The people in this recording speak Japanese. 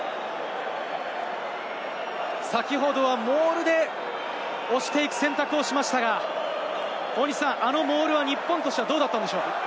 先ほどはモールで押していく選択をしましたが、あのモールは日本としてはどうだったんでしょう？